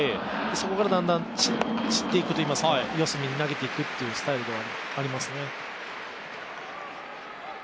そこからだんだん散っていくといいますか、四隅に投げていくというスタイルではありますね。